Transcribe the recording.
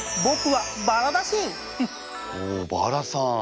おおバラさん。